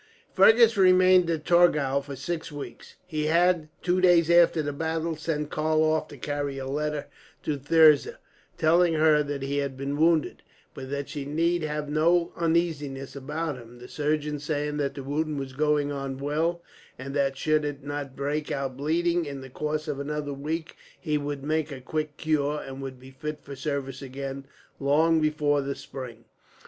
Fergus remained at Torgau for six weeks. He had, two days after the battle, sent Karl off to carry a letter to Thirza; telling her that he had been wounded, but that she need have no uneasiness about him; the surgeon saying that the wound was going on well, and that, should it not break out bleeding in the course of another week, he would make a quick cure, and would be fit for service again, long before the spring.